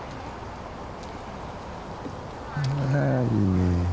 あいいね。